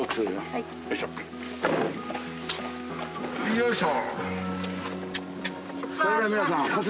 よいしょ。